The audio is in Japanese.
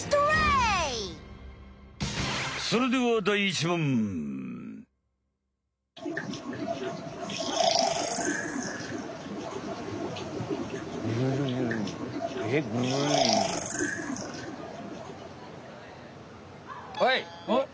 はい。